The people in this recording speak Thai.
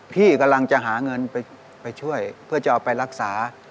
พี่กำลังจะหาเงินไปช่วยเพื่อจะเอาไปรักษา